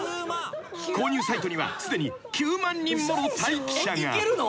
［購入サイトにはすでに９万人もの待機者が］いけるの？